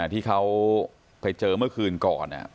ที่เขาไปเจอเมื่อคืนก่อน